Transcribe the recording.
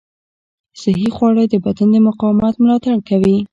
صحي خواړه د بدن د مقاومت ملاتړ کوي.